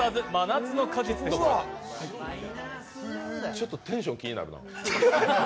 ちょっと、テンション気になるな。